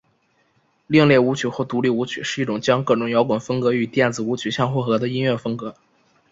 另类舞曲或独立舞曲是一种将各种摇滚风格与电子舞曲相混合的音乐风格。